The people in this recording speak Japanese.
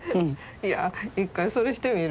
いや一回それしてみる？